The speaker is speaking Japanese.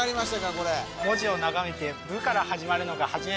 これ文字を眺めて「ブ」から始まるのがはじめ